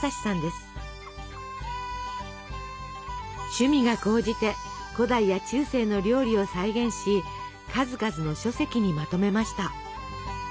趣味が高じて古代や中世の料理を再現し数々の書籍にまとめました。